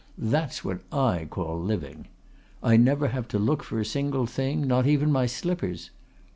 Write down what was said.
That's what I call living! I never have to look for a single thing, not even my slippers.